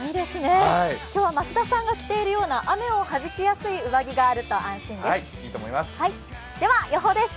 今日は増田さんが着ているような雨をはじきやすい服を着ていると安心です。